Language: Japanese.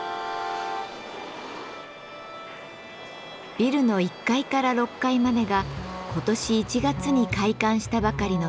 ビルの１階から６階までが今年１月に開館したばかりの美術館。